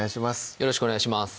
よろしくお願いします